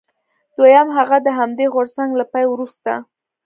دویم هغه د همدې غورځنګ له پای وروسته.